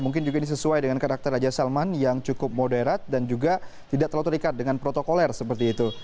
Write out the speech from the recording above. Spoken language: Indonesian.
mungkin juga ini sesuai dengan karakter raja salman yang cukup moderat dan juga tidak terlalu terikat dengan protokoler seperti itu